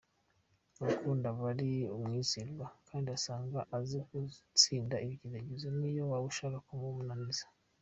Mu rukundo aba ari umwizerwa kandi usanga azi gutsinda ibigeragezo niyo waba ushaka kumunaniza.